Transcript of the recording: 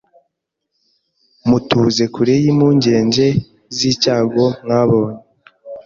mutuze kure y’impungenge z’icyago mwabonye